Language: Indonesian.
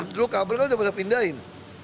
dulu kabel kan sudah bisa dipindahin